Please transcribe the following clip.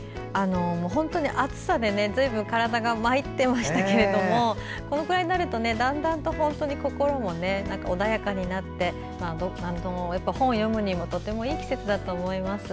本当に暑さで随分と体がまいっていましたがこのくらいになるとだんだんと心も穏やかになって本を読むにもとてもいい季節だと思います。